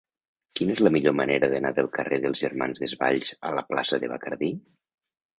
Quina és la millor manera d'anar del carrer dels Germans Desvalls a la plaça de Bacardí?